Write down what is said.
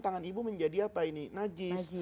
tangan ibu menjadi apa ini najis